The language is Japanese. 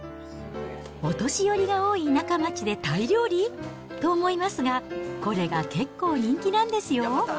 お年寄りが多い田舎町でタイ料理？と思いますが、これが結構人気なんですよ。